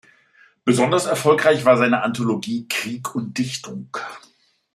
Besonders erfolgreich war seine Anthologie "Krieg und Dichtung.